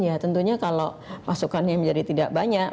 ya tentunya kalau masukannya menjadi tidak banyak